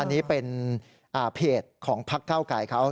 อันนี้เป็นเพจของพักเก้าไกรเขา